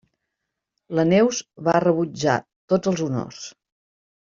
La Neus va rebutjar tots els honors.